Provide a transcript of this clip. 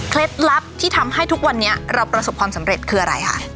ลับที่ทำให้ทุกวันนี้เราประสบความสำเร็จคืออะไรคะ